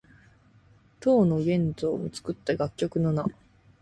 唐の玄宗の作った楽曲の名。